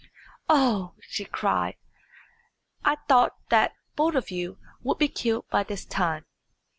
"Oh!" she cried, "I thought that both of you would be killed by this time.